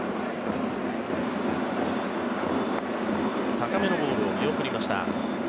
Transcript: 高めのボールを見送りました。